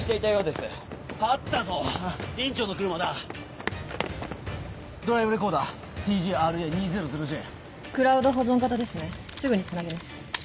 すぐにつなぎます。